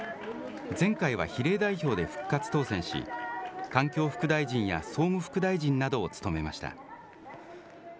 前回は比例代表で復活当選し、環境副大臣や総務副大臣などを務めました。